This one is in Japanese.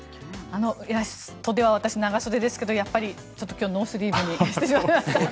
イラストでは私、長袖ですけどやっぱり今日ノースリーブにしてしまいました。